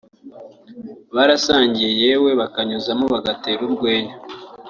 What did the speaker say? barasangira yewe bakanyuzamo bagatera urwenya